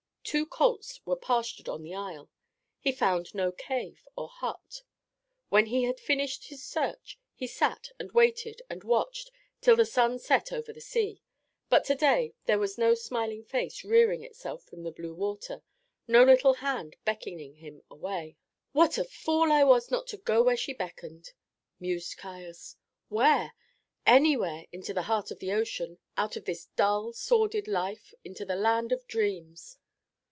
Two colts were pastured on the isle. He found no cave or hut. When he had finished his search, he sat and waited and watched till the sun set over the sea; but to day there was no smiling face rearing itself from the blue water, no little hand beckoning him away. "What a fool I was not to go where she beckoned!" mused Caius. "Where? Anywhere into the heart of the ocean, out of this dull, sordid life into the land of dreams."